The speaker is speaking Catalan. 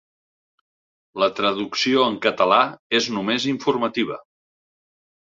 La traducció en català és només informativa.